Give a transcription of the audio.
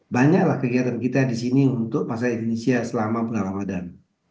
banyaklah kegiatan kita di sini untuk masyarakat indonesia selama bulan ramadan